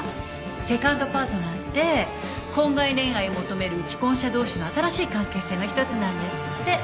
セカンドパートナーって婚外恋愛を求める既婚者同士の新しい関係性の一つなんですって。